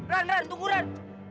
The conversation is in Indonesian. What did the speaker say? ran ran tunggu ran